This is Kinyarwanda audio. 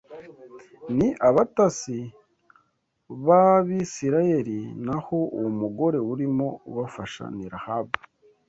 Ni abatasi b’Abisirayeli naho uwo mugore urimo ubafasha ni Rahabu